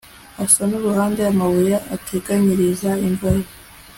asa n'urunda amabuye ateganyiriza imva ye